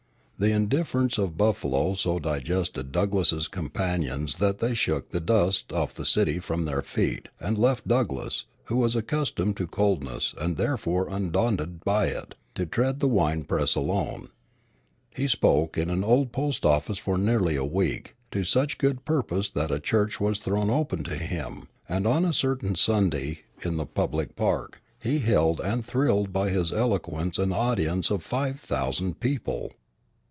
The indifference of Buffalo so disgusted Douglass's companions that they shook the dust of the city from their feet, and left Douglass, who was accustomed to coldness and therefore undaunted by it, to tread the wine press alone. He spoke in an old post office for nearly a week, to such good purpose that a church was thrown open to him; and on a certain Sunday, in the public park, he held and thrilled by his eloquence an audience of five thousand people.